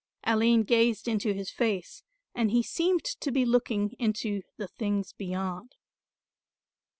Aline gazed into his face and he seemed to be looking into the things beyond.